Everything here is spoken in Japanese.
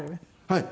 はい。